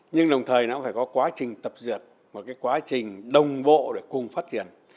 nhưng đồng thời nó cũng phải có quá trình tập duyệt một cái quá trình đồng bộ để cùng phát triển